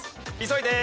急いで！